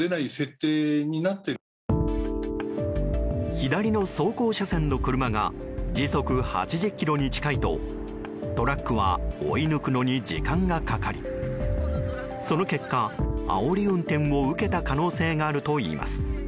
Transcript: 左の走行車線の車が時速８０キロに近いとトラックは追い抜くのに時間がかかりその結果、あおり運転を受けた可能性があるといいます。